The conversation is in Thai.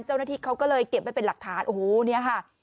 เจ้าหน้าที่เขาก็เลยเก็บไว้เป็นหลักฐานโอ้โหเนี่ยค่ะ